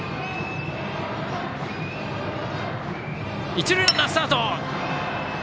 一塁ランナー、スタート！